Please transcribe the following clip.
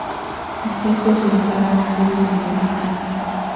Está especializada en estudios budistas.